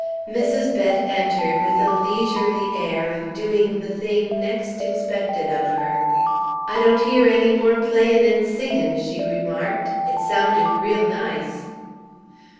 Mrs. Bett entered with a leisurely air of doing the thing next expected of her. "I don't hear any more playin' and singin'," she remarked. "It sounded real nice."